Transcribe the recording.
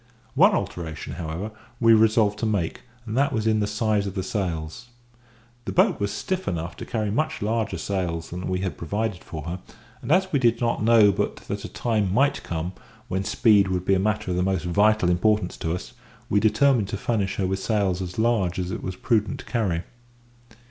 One alteration, however, we resolved to make, and that was in the size of the sails. The boat was stiff enough to carry much larger sails than we had provided for her; and as we did not know but that a time might come when speed would be a matter of the most vital importance to us, we determined to furnish her with sails as large as it was prudent to carry.